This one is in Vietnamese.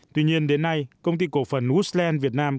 tuy nhiên đến nay công ty cổ phần woodland việt nam